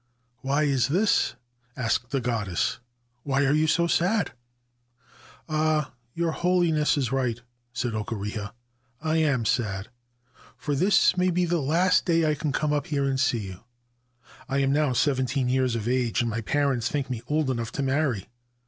* Why is this ?' asked the goddess. ' Why are you so sad ?'' Ah, your Holiness is right,' said Okureha. * I am sad, for this may be the last day I can come up here and see you. I am now seventeen years of age, and my parents think me old enough to marry.